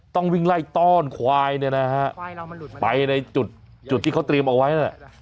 ต้องวิ่งไล่ต้อนควายเนี่ยนะฮะควายเรามันหลุดไปในจุดจุดที่เขาเตรียมเอาไว้นั่นแหละ